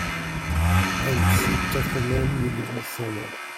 Enns, quatre mai mille huit cent neuf.